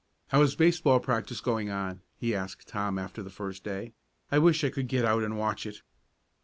"How is baseball practice going on?" he asked Tom after the first day. "I wish I could get out and watch it."